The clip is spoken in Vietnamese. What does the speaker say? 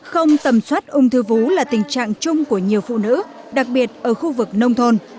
không tầm soát ung thư vú là tình trạng chung của nhiều phụ nữ đặc biệt ở khu vực nông thôn